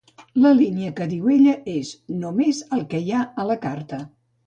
La línia que diu ella és: "Només el que hi ha a la carta".